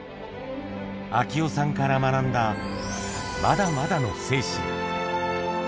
明雄さんから学んだ、まだまだの精神。